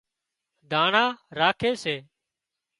ۮانڻا راکي سي